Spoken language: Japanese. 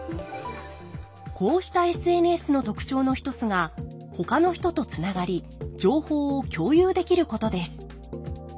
こうしたＳＮＳの特徴の一つがほかの人とつながり情報を共有できることです。